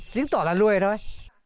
tính tỏ là lùi thôi